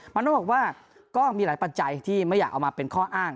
โน่บอกว่าก็มีหลายปัจจัยที่ไม่อยากเอามาเป็นข้ออ้าง